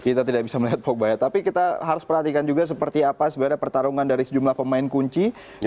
kita tidak bisa melihat pogba ya tapi kita harus perhatikan juga seperti apa sebenarnya pertarungan dari sejumlah pemain kunci